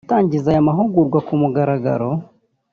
Atangiza aya mahugurwa ku mugaragaro